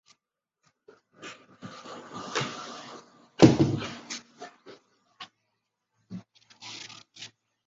中华基督教会合一堂是香港第一间华人自理的教会。